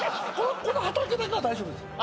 この畑だけは大丈夫です。